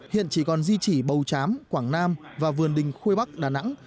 hiện chỉ còn di trị bầu chám quảng nam và vườn đình khuê bắc đà nẵng